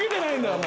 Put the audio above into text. お前